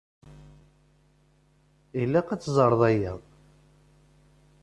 Ilaq ad t-teẓṛeḍ aya.